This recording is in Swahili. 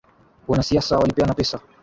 Wanasiasa walipeana pesa.